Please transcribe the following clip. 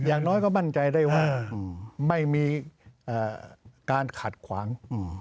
อย่างน้อยก็มั่นใจได้ว่าไม่มีการขัดขวาง